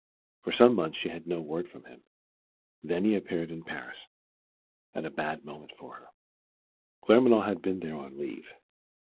For some months she had no word from him. Then he appeared in Paris at a bad moment for her. Claremanagh had been there on leave.